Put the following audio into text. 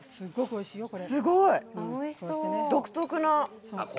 すごい独特な。